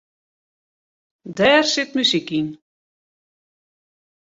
Dêr sit muzyk yn.